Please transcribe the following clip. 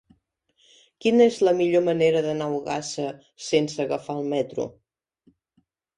Quina és la millor manera d'anar a Ogassa sense agafar el metro?